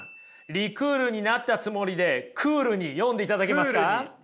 リクールになったつもりでクールに読んでいただけますか。